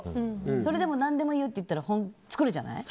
それでも何でもいいよって言ったら、作るじゃない。